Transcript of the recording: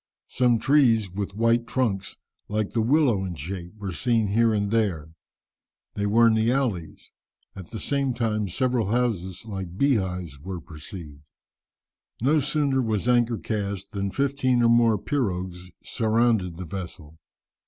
Some trees with white trunks, like the willow in shape, were seen here and there. They were "niaoulis." At the same time several houses like bee hives were perceived. No sooner was anchor cast than fifteen or more pirogues surrounded the vessel.